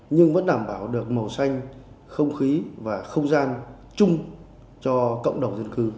nhưng vẫn đảm bảo được màu xanh không khí và không gian chung cho cộng đồng dân cư